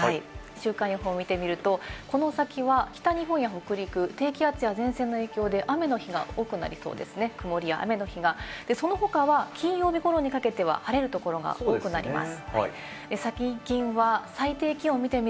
週間予報を見てみると、この先は北日本や北陸、低気圧や前線の影響で雨の日が多くなりそうですね、曇りや雨の日が、その他は金曜日頃にかけては晴れるところが多くなります。